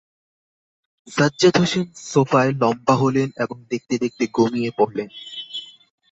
সাজ্জাদ হোসেন সোফায় লম্বা হলেন এবং দেখতে- দেখতে ঘুমিয়ে পড়লেন।